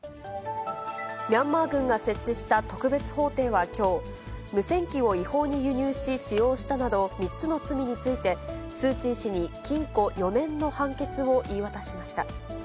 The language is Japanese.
ミャンマー軍が設置した特別法廷はきょう、無線機を違法に輸入し使用したなど３つの罪について、スー・チー氏に禁錮４年の判決を言い渡しました。